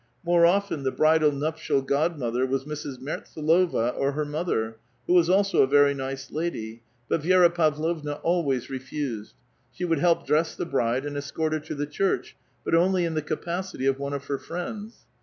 More often the bridal nuptial god mother was Mrs. IMertsdlova or her mother, who was also a very nice lady ; but Vi^ra Pavlovna always refused ; she would help dress the bride, and escort her to the church, but only in the capacity of one of her friends.